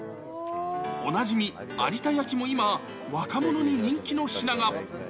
おなじみ、有田焼も今、若者に人気の品が。